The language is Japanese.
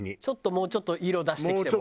もうちょっと色出してきても？